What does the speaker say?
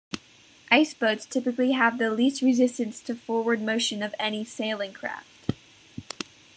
Ice boats typically have the least resistance to forward motion of any sailing craft.